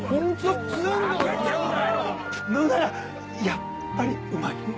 やっぱりうまいね。